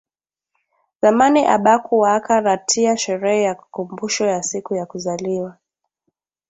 Zamani abakuwaka na tia sherehe ya kumbusho ya siku ya kuzaliwa